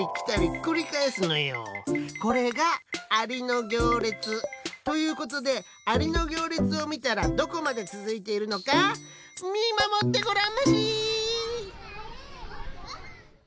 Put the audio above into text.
これが「アリのぎょうれつ」。ということでアリのぎょうれつをみたらどこまでつづいているのかみまもってごらんまし！